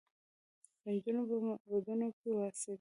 به نجونې په معبدونو کې اوسېدې